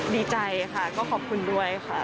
ดีใจค่ะก็ขอบคุณด้วยค่ะ